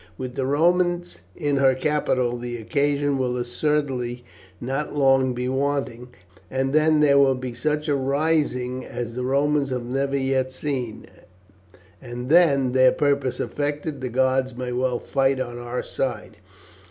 With the Romans in her capital the occasion will assuredly not long be wanting, and then there will be such a rising as the Romans have never yet seen; and then, their purpose effected, the gods may well fight on our side.